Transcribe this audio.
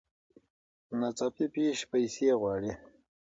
ناڅاپي پېښې پیسې غواړي.